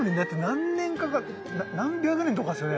何百年とかですよね？